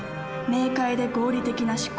明快で合理的な思考。